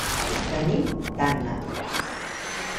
Venim d'Anna.